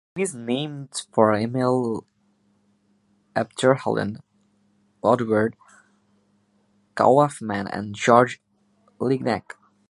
It is named for Emil Abderhalden, Eduard Kaufmann and George Lignac.